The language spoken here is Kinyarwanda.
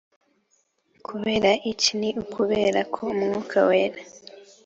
Kubera iki Ni ukubera ko umwuka wera